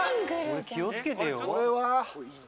これ気を付けてよ。